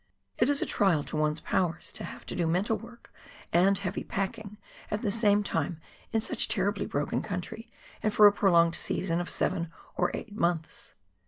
It is a trial to one's powers to have to do mental work and heavy packing at the same time in such terribly broken country, and for a prolonged season of seven or eight months.